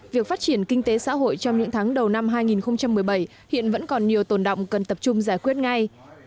việc phát triển kinh tế xã hội trong những tháng đầu năm hai nghìn một mươi bảy hiện vẫn còn nhiều tồn động cần tập trung giải quyết ngay